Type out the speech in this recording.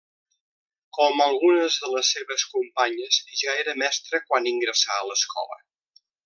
Com algunes de les seves companyes, ja era mestra quan ingressà a l'Escola.